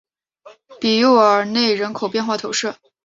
比耶尔内人口变化图示